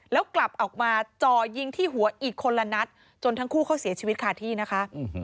แล้วกลับออกมาจ่อยิงที่หัวอีกคนละนัดจนทั้งคู่เขาเสียชีวิตคาที่นะคะ